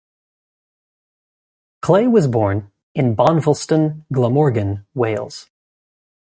Clay was born in Bonvilston, Glamorgan, Wales.